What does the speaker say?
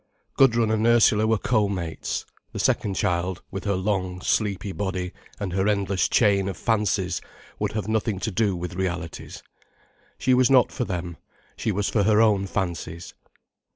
Gudrun and Ursula were co mates. The second child, with her long, sleepy body and her endless chain of fancies, would have nothing to do with realities. She was not for them, she was for her own fancies.